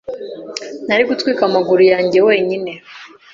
Nari gutwika amaguru yanjye wenyine